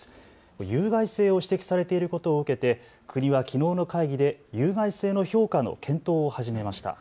有害性を指摘されていることを受けて国はきのうの会議で有害性の評価の検討を始めました。